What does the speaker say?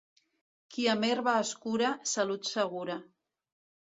Qui amb herba es cura, salut segura.